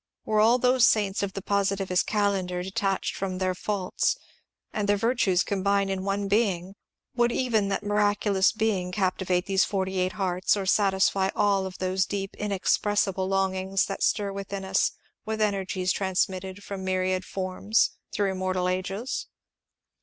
Were all those saints of the positivist calendar detached from their faults, and their vir tues combined in one being, would even that miraculous being ^ captivate these forty eight hearts, or satisfy all of those deep inexpressible longings that stir within us with energies trans mitted from myriad forms through immemorial ages